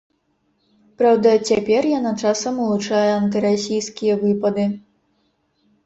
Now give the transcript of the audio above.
Праўда, цяпер яна часам улучае антырасійскія выпады.